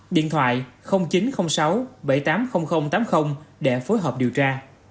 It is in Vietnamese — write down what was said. điện thoại chín trăm linh sáu bảy trăm tám mươi nghìn tám mươi để phối hợp điều tra